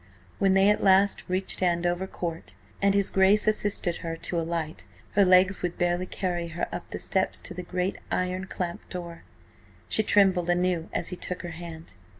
When they at last reached Andover Court, and his Grace assisted her to alight her legs would barely carry her up the steps to the great iron clamped door. She trembled anew as he took her hand.